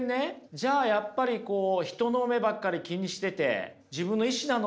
じゃあやっぱり人の目ばっかり気にしてて自分の意志なの？